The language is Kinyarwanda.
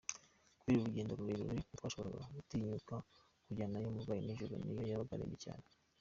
Kubera urugendo rurerure ntitwashoboraga gutinyuka kujyanayo umurwayi nijoro n’iyo yabaga arembye cyane.